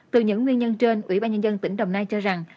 từ những nguyên nhân trên ủy ban nhân dân tỉnh đồng nai cho rằng